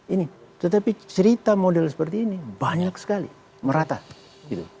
ini tetapi cerita model seperti ini banyak sekali merata gitu